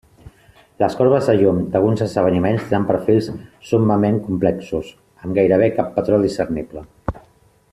Les corbes de llum d'alguns esdeveniments tenen perfils summament complexos amb gairebé cap patró discernible.